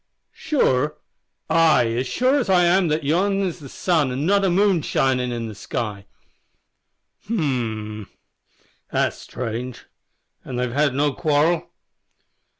"Sure? Ay, as sure as I am that yon is the sun an' not the moon a shinin' in the sky." "H'm! that's strange. An' they've had no quarrel?"